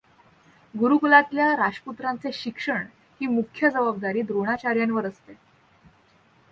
गुरूकुलातल्या राजपुत्रांचे शिक्षण ही मुख्य जबाबदारी द्रोणाचार्यांवर असते.